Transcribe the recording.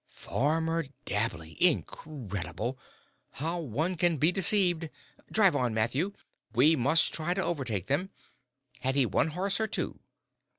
"Farmer Dabley incredible! How one can be deceived. Drive on, Matthew. We must try to overtake them. Had he one horse or two?"